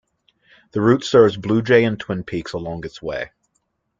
The route serves Blue Jay and Twin Peaks along its way.